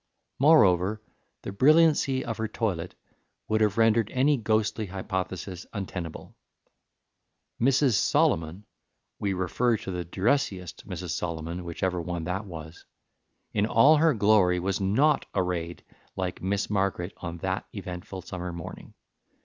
Moreover, the brilliancy of her toilet would have rendered any ghostly hypothesis untenable. Mrs. Solomon (we refer to the dressiest Mrs. Solomon, whichever one that was) in all her glory was not arrayed like Miss Margaret on that eventful summer morning.